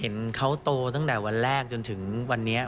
เห็นเขาโตตั้งแต่วันแรกจนถึงวันนี้